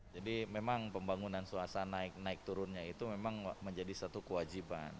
jadi memang pembangunan suasana naik naik turunnya itu memang menjadi satu kewajiban